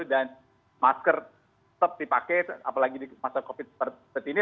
dan masker tetap dipakai apalagi di masa covid seperti ini